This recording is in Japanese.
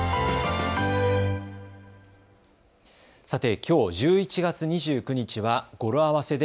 きょう１１月２９日は語呂合わせで。